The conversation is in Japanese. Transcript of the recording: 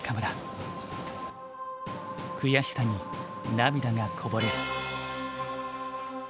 悔しさに涙がこぼれる。